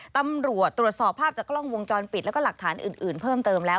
ตำรวจตรวจสอบภาพจากกล้องวงจรปิดแล้วก็หลักฐานอื่นเพิ่มเติมแล้ว